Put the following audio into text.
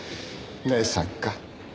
姉さんか。